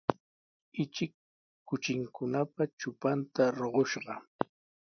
Ichik kuchikunapa trupanta ruqushqa.